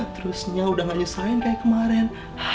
terusnya udah gak nyusahin kayak kemarin